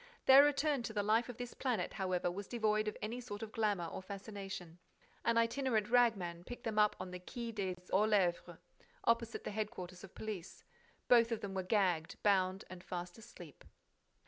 Their return to the life of this planet, however, was devoid of any sort of glamor or fascination. An itinerant rag man picked them up on the Quai des Orfèvres, opposite the headquarters of police. Both of them were gagged, bound and fast asleep.